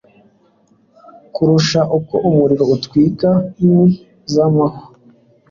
kurusha uko umuriro utwika inkwi z’amahwa